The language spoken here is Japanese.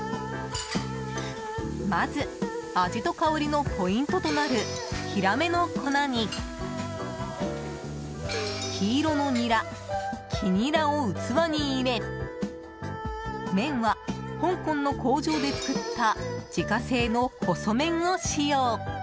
まず、味と香りのポイントとなるヒラメの粉に黄色のニラ、黄ニラを器に入れ麺は香港の工場で作った自家製の細麺を使用。